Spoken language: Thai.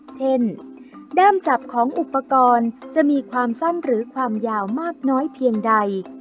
เช่นด้ามจับของอุปกรณ์จะมีความสั้นหรือความยาวมากน้อยเพียงใด